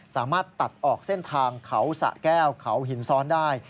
สามารถตัดออกเส้นทางเขาสะแก้วเขาหินซ้อนได้